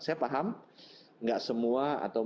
saya paham nggak semua atau